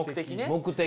目的。